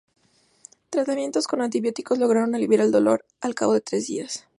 Tratamientos con antibióticos lograron aliviar el dolor al cabo de tres días.